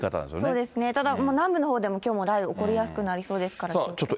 そうですね、ただ、南部のほうでもきょう、雷雨が起こりやすくなりそうですから、気をつけてください。